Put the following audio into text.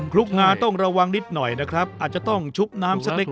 ลุกงาต้องระวังนิดหน่อยนะครับอาจจะต้องชุบน้ำสักเล็ก